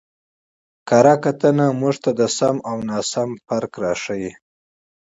کره کتنه موږ ته د سم او ناسم توپير راښيي.